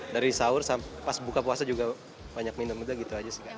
dari sahur sampai pas buka puasa juga banyak minum aja gitu aja sih